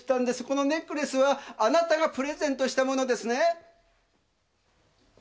このネックレスはあなたがプレゼントしたものですね？